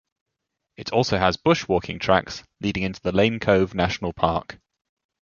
It also has bushwalking tracks leading into the Lane Cove National Park.